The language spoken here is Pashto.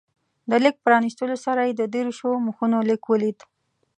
د لیک پرانستلو سره یې د دېرشو مخونو لیک ولید.